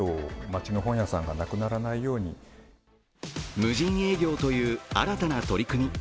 無人営業という新たな取り組み。